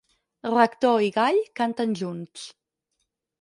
Rector i gall canten junts.